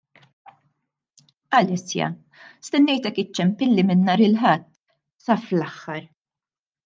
Alessia, stennejtek iċċempilli minn nhar il-Ħadd, sa fl-aħħar!